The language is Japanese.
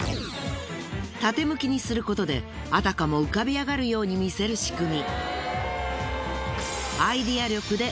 縦向きにすることであたかも浮かび上がるように見せる仕組み。